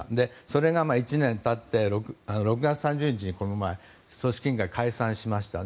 それが１年経って、６月３０日に組織委員会が解散しました。